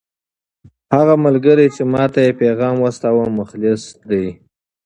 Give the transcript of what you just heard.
هغه ملګری چې ما ته یې پیغام واستاوه مخلص دی.